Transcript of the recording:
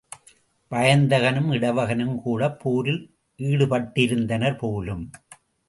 வயந்தகனும் இடவகனும் கூடப் போரில் ஈடுபட்டிருந்தனர் போலும்.